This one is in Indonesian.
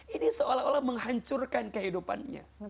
ini seolah olah menghancurkan kehidupannya